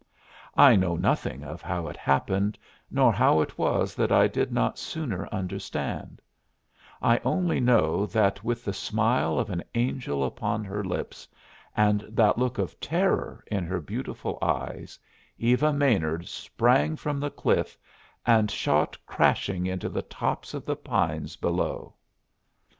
I know nothing of how it happened, nor how it was that I did not sooner understand; I only know that with the smile of an angel upon her lips and that look of terror in her beautiful eyes Eva Maynard sprang from the cliff and shot crashing into the tops of the pines below!